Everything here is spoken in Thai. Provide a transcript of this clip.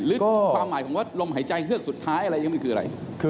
หรือความหมายของว่าลมหายใจเฮือกสุดท้ายอะไรอย่างนี้มันคืออะไร